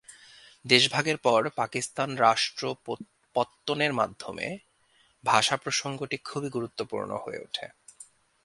দেশভাগের পর পাকিস্তান রাষ্ট্র পত্তনের মাধ্যমে ভাষা প্রসঙ্গটি খুবই গুরুত্বপূর্ণ হয়ে ওঠে।